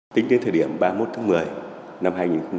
tính đến thời điểm ba mươi một tháng một mươi năm hai nghìn một mươi chín